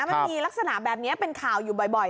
มันมีลักษณะแบบนี้เป็นข่าวอยู่บ่อย